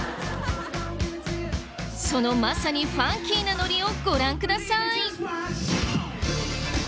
そのまさにファンキーなノリをご覧ください。